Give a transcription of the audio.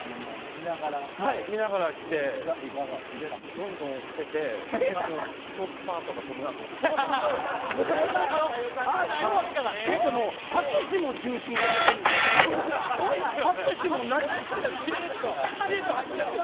見ながら来てどんどん押しててトークパートが飛ぶなと思った。